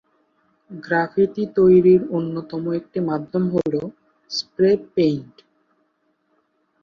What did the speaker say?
Graffiti তৈরির অন্যতম একটি মাধ্যম হল স্প্রে পেইন্ট।